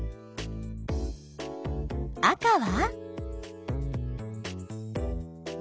赤は？